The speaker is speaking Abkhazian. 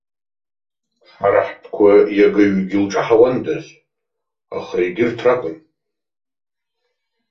Ҳара ҳтәқәа иагаҩгьы лҿаҳауандаз, аха егьырҭ ракәын.